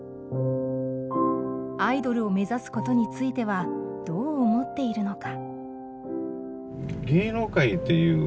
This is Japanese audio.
アイドルを目指すことについてはどう思っているのか。